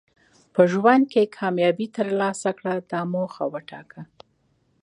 په ژوند کې کامیابي ترلاسه کړه دا موخه وټاکه.